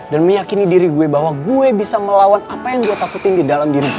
dan meyakini diri gue bahwa gue bisa melawan apa yang gue takutin di dalam diri gue